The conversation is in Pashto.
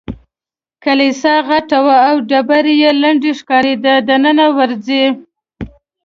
کلیسا غټه وه او ډبرې یې لندې ښکارېدې، دننه ورځې؟